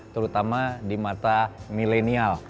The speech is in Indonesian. terutama di mata milenial